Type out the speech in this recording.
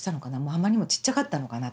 あまりにもちっちゃかったのかなと。